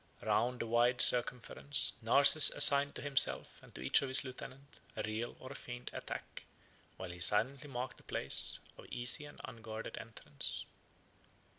Round the wide circumference, Narses assigned to himself, and to each of his lieutenants, a real or a feigned attack, while he silently marked the place of easy and unguarded entrance.